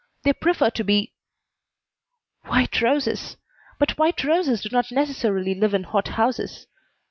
They prefer to be " "White roses! But white roses do not necessarily live in hot houses."